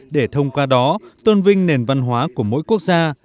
để thông qua đó tôn vinh nền văn hóa của mỗi quốc gia